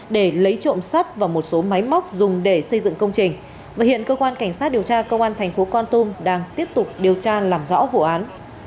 để lấy trộm sắt và một số máy móc dùng để xây dựng công trình và hiện cơ quan cảnh sát điều tra công an thành phố con tum đang tiếp tục điều tra làm rõ vụ án